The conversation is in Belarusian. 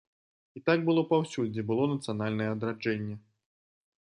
І так было паўсюль, дзе было нацыянальнае адраджэнне.